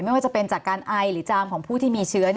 ไม่ว่าจะเป็นจากการไอหรือจามของผู้ที่มีเชื้อ